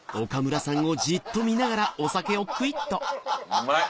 うまい！